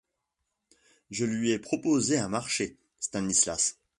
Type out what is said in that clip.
Je lui ai proposé un marché, Stanislas.